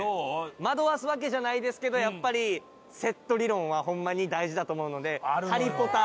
惑わすわけじゃないですけどやっぱりセット理論はホンマに大事だと思うのでハリポタ。